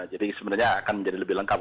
jadi sebenarnya akan menjadi lebih lengkap